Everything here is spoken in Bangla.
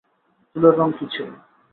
চুলের রঙ কী ছিল?